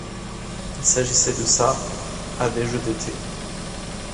Il s'agissait de sa à des Jeux d'été.